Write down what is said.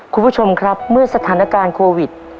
คุณผู้ชมครับเมื่อสถานการณ์โควิด